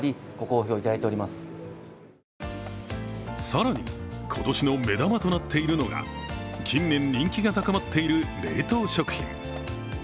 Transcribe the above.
更に、今年の目玉となっているのが近年人気が高まっている冷凍食品。